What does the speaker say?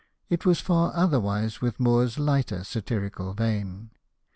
It was far otherwise with Moore's lighter satirical vein.